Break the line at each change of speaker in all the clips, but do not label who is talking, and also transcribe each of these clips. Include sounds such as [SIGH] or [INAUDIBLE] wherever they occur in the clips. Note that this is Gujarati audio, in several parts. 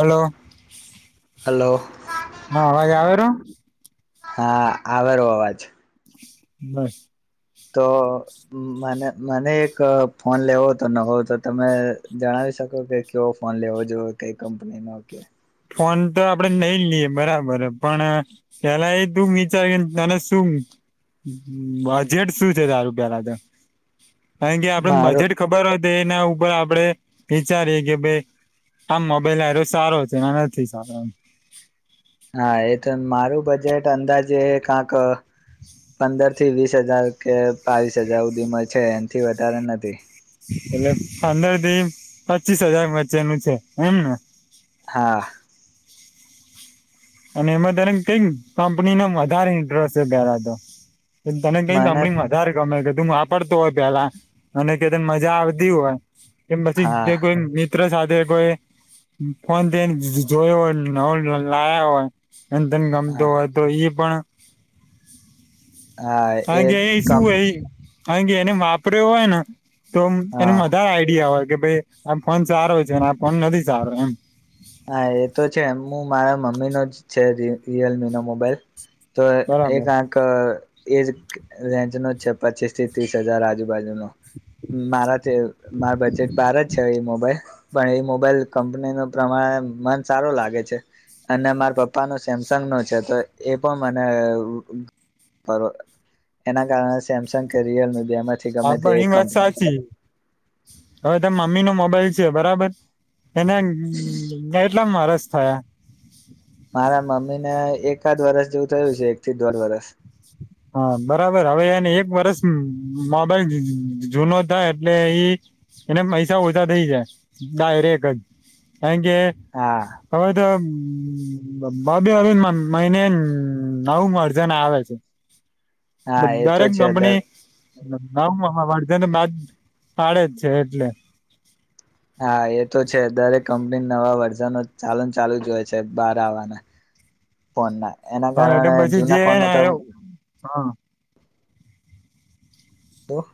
હલો
હલો
હા અવાજ આવેરો?
હા આવેરો અવાજ.
બસ.
તો મને એક ફોન લેવો તો નહો તો તમે જણાવી શકો કે કેવો ફોન લેવો જો કઈ કંપની ન કે.
ફોન તો આપડે નઈ લઈએ બરાબર પણ પેલા એ તું વિચાર ત શું બજેટ શું છે તારું પેલા તો.
મારું
[UNINTELLIGIBLE] [UNINTELLIGIBLE] આ નથી સારો.
હા એ તો મારું બજેટ અંદાજે એ કંક પંદર થી વીસ હજાર કે બાવીસ હજાર સુધીમાં છે એથી વધારે નથી.
[UNINTELLIGIBLE]
હા.
અને એમાં તને કઈક કંપની ન વધારે ઇન્ટરેસ્ટ છે પહેલા તો.
મને
[UNINTELLIGIBLE] તુમ વાપરતો હોય પેલા અને કેને મજા આવતી હોય. કે પછી
હા
જે કોઈ મિત્ર સાથે કોઈ, ફોન તે જોયો હોય નવો લાયા હોય. [INAUDIBLE] એ ધન ગમતો
હા
હોય તો ઈ પણ
હા
કારણ કે એ શું
કમ
હોય. હ કે એને વાપર હોય ને. તો એને
હા
મજા આઈડિયા હોય. કે ભાઈ આ ફોન સારો છેને આ ફોન નથી સારો એમ.
હા એ તો છે એમ મારા મમ્મીનો જ છે રિયલમીનો મોબાઈલ. તો એક
બરાબર
આંક એ રેન્જ નો છે પચીસ થી ત્રીસ હજાર આજુ બાજુનો મારા મારા બજેટ બાર જ છે એ મોબાઈલ. પણ એ મોબાઈલ કંપનીનો પ્રમાણે મન સારું લાગે છે, અને મારા પપ્પા ન સેમસંગ નો છે તો એ પણ મને એના કારણે સેમસંગ કે રિયલમી. બેમાંથી
હા
ગમે તે એક
પણણી વાત
કંપની
સાચી, હવે તમે મમ્મી નો મોબાઈલ છે બરાબર. એને કેટલા મારસ થયા?
મારા મમ્મી ને એકાદ વરષ જેવું થયું છે એક થી દોઢ વરષ.
હા બરાબર હવે એને એક વરષ મોબાઈલ જુનો થાય એટલે ઈ, એને પૈસા ઓછા થઇ જાય, ડાયરેક જ કારણ કે
હા
હવે તો ભભી હવે મહિને નવુ વરજણ આવે છે.
હા એ તો
દરેક
છે દર
કંપની ના વારજને બાદ ફડે જ છે એટલે.
હા એ તો છે દરેક કંપની નવા વર્ઝન ચાલન ચાલુ જ હોય છે બાર આવવાના ફોનના.
હા એટલે પછી જેને હા.
તો.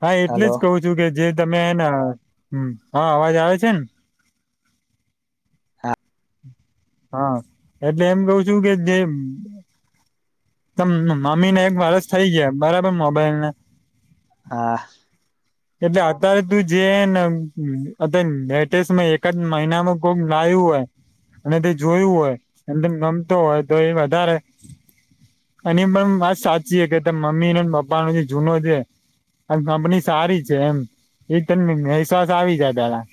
હા એટલે જ
હલો
કહું છું કે જે તમે એને હા અવાજ આવે છે ને? હા એટલે એમ કવ છું કે, જે મમ્મીને એક વરષ થઈ ગયા બરાબર મોબાઈલને.
હા.
એટલે અત્યારે તું જેન અતન લટેસ્ટમાં એકાદ મહિનાનું કોક લાયું હોય અને તે જોયું હોય, અને તન ગમતો હોય તો એ વધારે, અને ઈ પણ વાત સાચી હે કે તાર મમ્મી ને પપ્પાનો જે જૂનો જે, આ કંપની સારી છે એમ, ઈ તન વિશ્વાસ આવી જાય પહેલાં.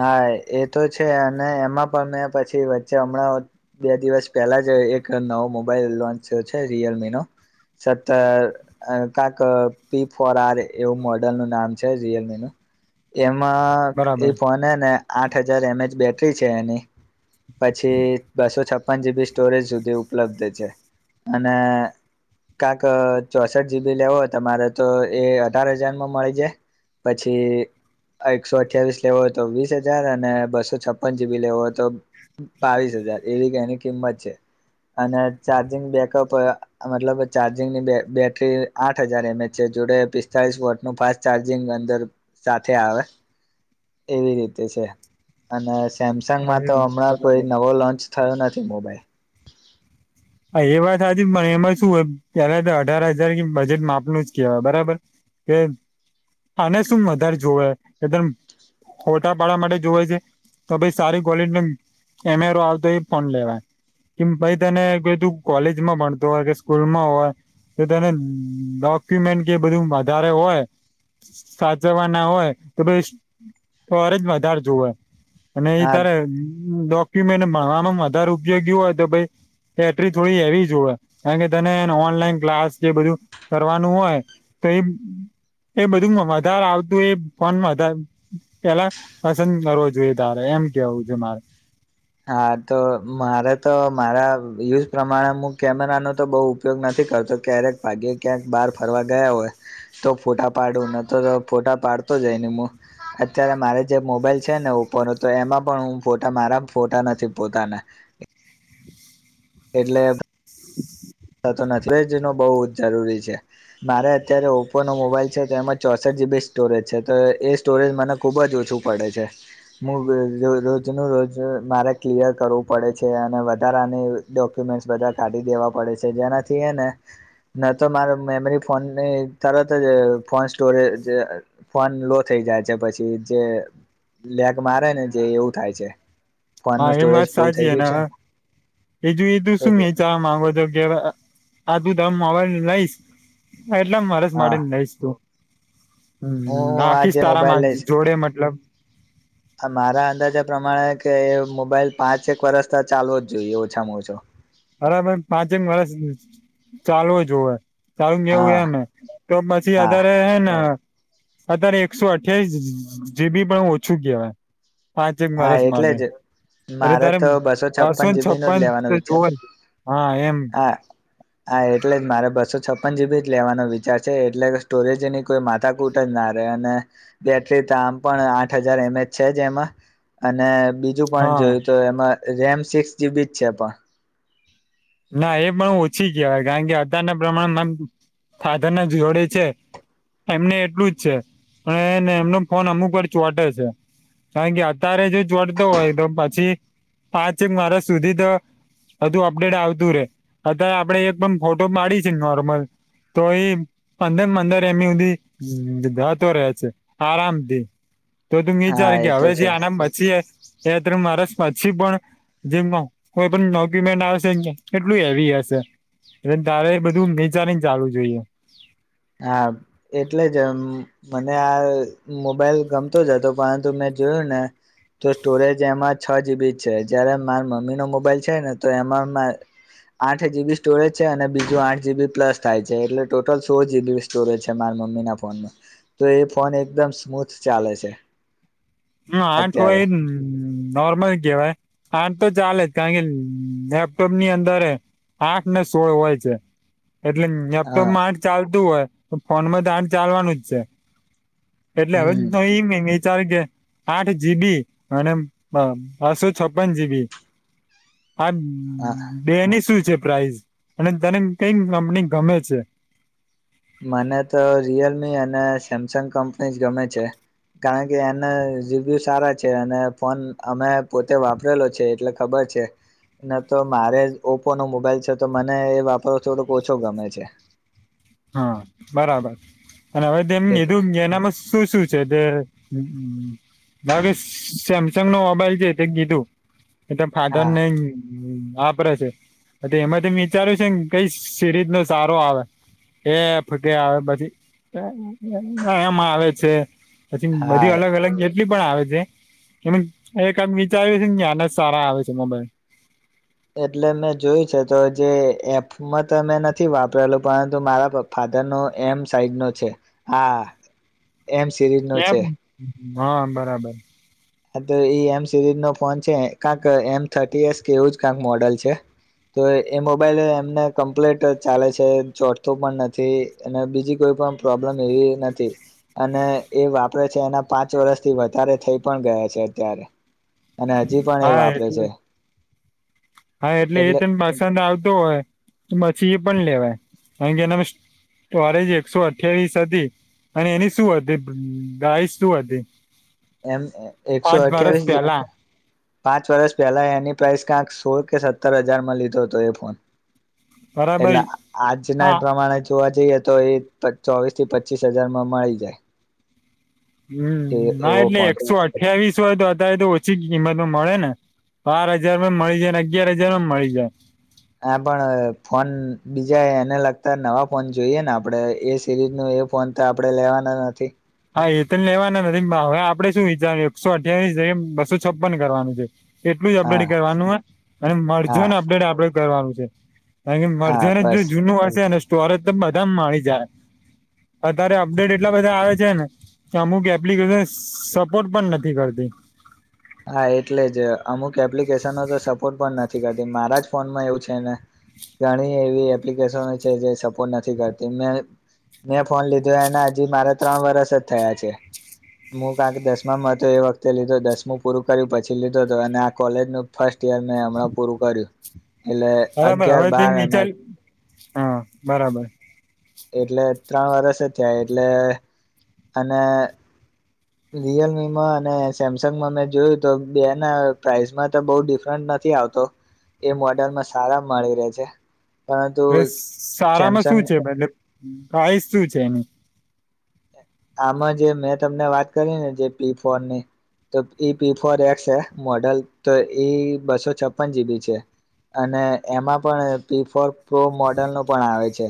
હા એ તો છે, અને એમાં પણ મેં પછી વચ્ચે હમણાં બે દિવસ પહેલા જ એક નવો મોબાઈલ લોન્ચ છે રિયલમી નો, સતર અહ કાક પી ફોર આર એવું મોડલનું નામ છે રિયલમીનું, એમ- માં
બરાબર
એ હે ને આઠ હજાર એમ એ [UNINTELLIGIBLE] બેટરી છે એની, પછી બસો છપ્પન જી બી સ્ટોરેજ સુધી ઉપલબ્ધ છે, અને કાક અહ ચોસઠ જી બી લેવો હોય તમારે તો એ અઢાર હજારમાં મળી જાય, પછી એકસો અઠ્યાવીસ લેવો હોય તો વીસ હજાર, અને બસો છપ્પન જી બી લેવો હોય તો બાવીસ હજાર, એવીક એની કિંમત છે, અને ચાર્જિંગ બેકઅપ, મતલબ ચાર્જિંગની બે બેટરી આઠ હજાર એમ એચ છે, જોડે પિસ્તાલીસ વોટનું ફાસ્ટ ચાર્જિંગ અંદર સાથે આવે. એવી રીતે છે. અને સ
હા
સેમસંગમાં તો
એવું
હમણાં કોઈ
બરાબર
નવો લોન્ચ થયો નથી મોબાઈલ.
હા એ વાત હાચી પણ એમાં શું હોય, ત્યારે તે અઢાર હજાર બજેટ માપનું જ કહેવાય બરાબર, કે આને શું વધારે જોવે, કે તમ ફોટા પાડવા માટે જોવે છે, તો ભી સારી ક્વલિટ નન કેમેરો આવતો એ જ ફોન લેવાય, કેમ પહીં તને [UNINTELLIGIBLE] તું કોલેજમાં ભણતો હોય કે સ્કૂલમાં હોય, તો તેને ડોક્યુમેન્ટ કે એ બધું વધારે હોય, સાચવવા ના હોય, તો પહીંસ સ્ટોરેજ વધારે જોવે. અને એ
હા
તારે ડોક્યુમેન્ટ ભણવામાં વધારે ઉપયોગી હોય તો પહીં બેટરી થોડી હેવી જોવે, કારણ કે તને ઓનલાઈન ક્લાસ જે બધું કરવાનું હોય તો એ-એ બધું વધારે આવતું, એ ફોનમા વધાર, પેલા પસંદ કરવો જોઈએ તારે એમ કેવું છે મારે.
હા, તો મારે તો મારા યુઝ પ્રમાણે હું કેમેરાનો તો બહુ ઉપયોગ નથી કરતો, ક્યારેક ભાગ્યે ક્યાંક બહાર ફરવા ગયા હોય, તો ફોટા પાડું, નતર ફોટા પાડતો જ નહીં હું, અત્યારે મારે જે મોબાઈલ છે ને ઓપો નો તો એમાં પણ હું ફોટા મારા ફોટા નથી પોતાના. એટલે
[INAUDIBLE]
આ તો [UNINTELLIGIBLE] નો બહુ જરૂરી છે. મારે અત્યારે ઓપ્પોનો મોબાઈલ છે તો એમાં ચોસઠ જી બી સ્ટોરેજ છે, તો એ સ્ટોરેજ મને ખૂબ જ ઓછું પડે છે. હું વવ રોજનું રોજ મારે ક્લિયર કરવું પડે છે, અને વધારાની ડોક્યુમેન્ટ્સ બધા કાઢી દેવા પડે છ જેનાથી એ ને ન તો મારે મેમરી ફોન તરત જ ફોન સ્ટોરેજ ફોન લો થઈ જાય છે, પછી જે લગ મારે ને જે એવું થાય છે. ફોનનું
હા એમ
સ્ટોરેજ
વાત
ફૂલ
સાચી
થઈ
હ
ગયું
ને
છે
એજું એધું શું
એટલે
ચા માંગો તો. જેવા આ દુંધામ માવાને લઈશ. હા એટલા મારેસ
હા
માટેેને લશ તું.
હું
રાખીશ
આજે
તારા
મોબાઈલ લઈશ,
જોડે મતલબ
આ મારા અંદાજા પ્રમાણે કે એ મોબાઈલ પાંચેક વરષ તો ચાલવો જ જોઈએ ઓછામાં ઓછો.
અરે ભાઈ પાંચેમ વર્ષ ચાલવું જોવે. સારું કેવું
હા
એમ તો પછી
હા
અધારે હે ને. અત્યારે એકસો અઠ્યાસ જીબી પણ ઓછું કહેવાય. પાંચેક
હા
વરષ
એટલે
માટે,
જ
એટલે
મારે
તારે
તો બસો
બસોને
જીબી નો જ
છપ્પન
લેવાનો વિચાર
જોવ જ.
હા હા એટલે જ મારા બ બસો છપન જીબી જ લેવાનો વિચાર છે એટલે કે સ્ટોરેજની કોઈ માથા કૂટ જ ના રહે, અને બેટરી તો આમ પણ આઠ હજાર એમ એચ છે જે એમાં. અને બીજું પોઈન્ટ
હા
જોયું તો એમાં રેમ સિક્સ જીબી જ છે પણ.
ના એ પણ ઓછી કહેવાય કારણ કે અત્યારના પ્રમાણે મા ફાધર ના જોડે છે, એમને એટલું જ છે, પણ એમનો ફોન અમુક વાર ચોટે છે કારણ કે અત્યારે જો ચોટતો હોય તો પછી પાંચેક માર્ષ સુધી તો હધુ અપડેટ આવતું. અત્યારે આપડે એક પણમ ફોટો પાડી છે, નોર્મલ તો એઈ પંદર પંદર એમ સુધી જતો રહેે છે, આરામથી. તો તુંમ વિચાર
હા
કે
એ તો
હવે જે
છે
આનામ પચી તત્ર મારા પછી પણ જેમ કોઈ પણ નોક્યુમેન્ટ આવશે. એટલું હેવી હશે એટલે તારે બધું નીચાની ચાલુ જોઈએ.
હા એટલે જ મને આ મોબાઈલ ગમતો જ હતો, પરંતુ મેં જોયું ને તો સ્ટોરેજ એમાં છ જીબી જ છે જયારે મારા મમ્મીનોો મોબાઈલ છે ને તો એમાં આઠ જીબી સ્ટોરેજ છે અને બીજું આઠ જીબી પ્લસ થાય છે એટલે ટોટલ સો દો સ્ટોરેજ છે મારા મમ્મી ના ફોનમાં, તો એ ફોન એકદમ સ્મૂથ ચાલે છે
હમ આઠ હોય
અત્યારે
એ નોર્મલ કહેવાય, આઠ તો ચાલે જ કારણ કે લેપટોપ ની અંદર આઠ ને સોળ હોય છે. એટલે
હ
લેપ્ટોમા ચાલતું હોય. તો ફોન માં દાાન ચાલવાનું જ છે. એટલે હવે
હમ
ન એ ચાર કે આઠ જી બી અને બસો છપન જી બી. હા
હ
બે ને શું છે? પ્રઇસ અને તને કઈ કંપની ગમે છે?
મને તો રિયલમી અને સેમસંગ કંપની જ ગમે છે, કારણ કે એના રિવ્યૂ સારા છે, અને ફોન અમે પોતે વાપરેલો છે એટલે ખબર છે ન તો મારે જ ઓપોનો મોબાઈલ છે તો મને એ વાપરવો થોડુંક ઓછો ગમે છે.
હા બરાબર. અને હવે
એટલે.
કીધું એનામાં શું શું છે તે હવે સેમસંગ નો મોબાઈલ છે તે કીધું. એટ ફાદર
હા
નઈ વાપરે છે હ તો એમાં તમે વિચાર્યું છે કઈ સિરીઝ નો સારો આવે એ ખોટી આવે બધી એમ એમાં આવે છે. પછી
હા
બધી અલગ અલગ કે ટલી પણ આવે છે એમ એક આમ વિચાર્યું છે આન જ સારા આવે છે મોબાઈલ
એટલે મેં જોયું છે તો જે એફમાં તો મેં નથી વાપરેલું પરંતુ મારા ફાધરનો એમ સાઈડ નો છે. હા. એમ સિરીઝ નો
એમ
છે.
હા, બરાબર.
હા તો એ એમ સિરીઝ નો ફોન છે કાંક એમ થર્ટી એસ કે એવું જ કાંક મોડલ છે તો એ મોબાઈલ એમને કમ્પ્લીટ ચાલે છે ચોટતું પણ નથી અને બીજી કોઈ પણ પ્રોબ્લમ એવી નથી અને એ વાપરે છે એના પાંચ વર્ષથી વધારે થઈ પણ ગયા છે અત્યારે. અને હજી પણ એ
હા
વાપરે
એટલે
છે.
હા એટલે એ તને પસંદ આવતો હોય તો પછી એ પણ લેવાય કારણ કે એના સ્ટોરેજ એકસો અઠ્યાવીસ હતી અને એની શું હતી? ગાઈસ શું હતી?
એમ એકસો
પાંચ વર્ષ
અઠ્યાવીસ,
પહેલા
પાંચ વર્ષ પહેલા એની પ્રાઈસ કાંક સોળ કે સત્તર હજારમાં લીધો હતો એ ફોન
બરાબર
એટલે આજના
હા
એ પ્રમાણે જ જોવા જઈએ તો એ પચ ચોવીસ થી પચીસ હજાર માં મળી જાય.
હમ્મ
એ
હા
એવો
એટલે
ફોન
એકસો આઠ અઠ્યાવીસ હોય તો અત્યારે તો ઓછી કિંમતમાં મળે ને બાર હજારમાં મળી જાય ને અગિયાર હજાર માં મળી જાય.
હા, પણ ફોન બીજા એને લગતા નવા ફોન જોઈએ ને આપણેે એ સિરીઝ ન એ ફોન તો આપણેે લેવાના નથી.
હા એ તોને લેવાના નથી હવે આપડણે શું વિચાર્યુ એકસો અઠવીસ બસો છપન કરવાનું છે. એટલું જ અપડેટ
હા
કરવાનું હો અને
હા
મળજોન અપડેટ આપડે કરવાનું છે. કારણ કે
હા
મળજો
બસ
[UNINTELLIGIBLE] જૂનું હશે ને સ્ટોરેજ તો બધામાં આવી જાય અતારે અપડેટ એટલા બધા આવે છે ને અમુક એપ્લિકેશન સ સપોર્ટ પણ નથી કરતી
હા એટલે જ અમુક એપ્લિકેશનો તો સપોર્ટ પણ નથી કરતી મારા જ ફોનમાં એવું છે ને ઘણી એવી એપ્લિકેશનો છે જે સપોર્ટ નથી કરતી મેં મેં ફોન લીધો એને હજી મારા ત્રણ વરસ જ થયા છે હું કાંક દસમામાં હતો એ વખતે લીધું દસમું પૂરું કર્યું પછી લીધો હતો અને આ કોલેજનો ફર્સ્ટ [UNINTELLIGIBLE] મેં હમણાં પૂરું કર્યું એટલે
બરાબર
અગિયાર
હવે તે
બાર અને
નીચા હા, બરાબર.
એટલે. ત્રણ વર્ષ જ થયા એટલે અને રિયલમીમાં અને સેમસંગમાં મેં જોયું તો બે ના પ્રાાઈસમાં તો બહુ ડિફરન્ટ નથી આવતો એ મોડલમાં સારા માળી રહે છે. પરંતુ
બેસ સારામાં
સેમસંગ
શું છે મતલબ પ્રાઈઝ શું છે એની?
આમાં જે મેં તમને વાત કરી ને જે પી ફોર ની તો એ પી ફોર એક્સ હે મોડલ તો બસો છપ્પન જીબી છે અને એમાં પણ પી ફોર પ્રો મોડલ નું પણ આવે છે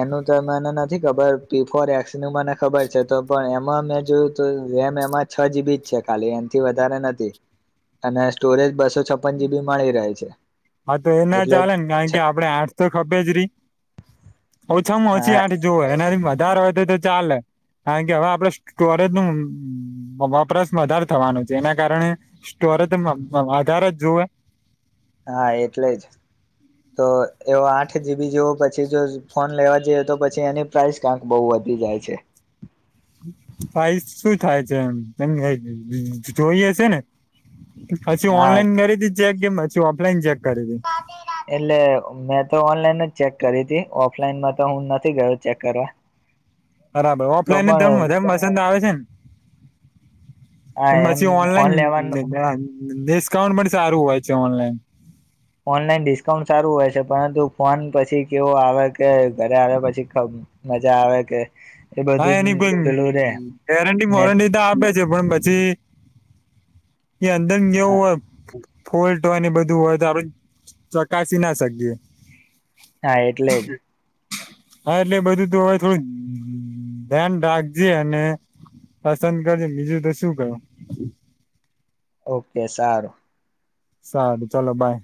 એનું તો મને નથી ખબર પી ફોર એક્સ નું મને ખબર છે તો પણ એમાં મેં જોયું તો રેમ એમાં છ જીબી જ છે ખાલી એનાથી વધારે નથી, અને સ્ટોરેજ બસો છપ્પન જીબી મળી રહે છે.
હા તો એ ના
એટલે
ચાલે ને કારણ કે આપડણે આઠસો ખપે જ રહી ઓછામાં ઓછી
હા
આઠં જોવે ને વધારે હોય તો તો ચાલે, કારણ કે હવે આપણે સ્ટોરેજ ન વપરાશ વધારે થવાનું છે, એના કારણે સ્ટોરેજ વધારે જ જોવે.
હા એટલે જ, તો એવ આઠ જીબી જેવો પછી જો ફોન લેવા જઈએ તો પછી એની પ્રાઇસ ક્યાંક બહ વધી જાય છે.
પ્રાઇસ શું થાય છે એને જોઈએ છે ને. અછી
હા
ઓનલાઈન કરીથી ગમ ઓફલાન જ
એટલે મેં તો ઓનલાઈન જ ચેક કરી હતી ઓફલાઈન માં તો હું નથી ગયો ચેક કરવા.
બરાબર
તો
ઓફલાઈન ને
પણ
ત પસંદ આવે હજન [UNINTELLIGIBLE]
આ
એ
એમ
મછી
ફોન
ઓનલાઈન
લેવાનું
લે ડિસ્કાઉન્ટ પણ સારું હોય છે ઓનલાઈન.
ઓનલાઈન ડિસ્કાઉન્ટ સારું હોય છે પરંતુ ફોન પછી કેવો આવે કે ઘરે આવે્યા પછી ખઉ મજા આવે કે. એ
હા
બધું
એની
પેલું રે
કોઈ ગેરંટી
ને
વોરંટી તો આપે છે પણ પછી એ અંદરમ વું ફોલ્ટ હોયને બધું હોય તો આપડ ચકાસી ના શકીએ.
હા એટલે જ.
હા એટલે બધું તો હવે થોડું ધ્યાન રાખજે અને, પસંદ કરજે બીજું તો શું કરું.
ઓકે સારું.
સારું ચલો બાય.